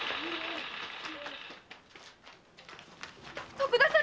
徳田様！